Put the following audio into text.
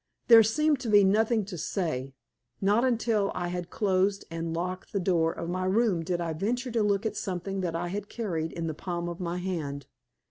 There seemed to be nothing to say. Not until I had closed and locked the door of my room did I venture to look at something that I carried in the palm of my hand.